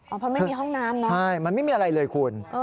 เพราะไม่มีห้องน้ำเนอะใช่มันไม่มีอะไรเลยคุณ